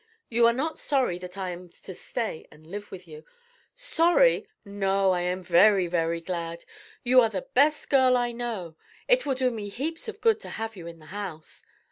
You are not sorry that I am to stay and live with you?" "Sorry! No; I am very, very glad. You are the best girl I know. It will do me heaps of good to have you in the house."